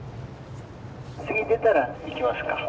「次出たら行きますか」。